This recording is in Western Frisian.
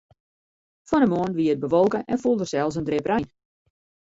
Fan 'e moarn wie it bewolke en foel der sels in drip rein.